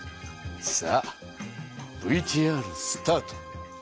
さあＶＴＲスタート。